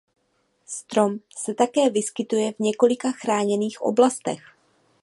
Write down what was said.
Strom se také vyskytuje v několika chráněných oblastech.